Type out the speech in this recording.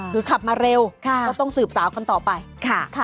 หรือขับมาเร็วค่ะก็ต้องสืบสาวกันต่อไปค่ะค่ะ